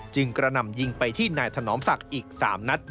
กระหน่ำยิงไปที่นายถนอมศักดิ์อีก๓นัด